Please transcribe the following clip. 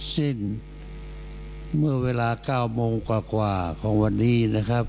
สิ้นเมื่อเวลา๙โมงกว่ากว่าของวันนี้